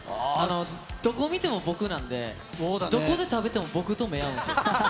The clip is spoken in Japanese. どこ見ても僕なんで、どこで食べても僕と目合うんですよ。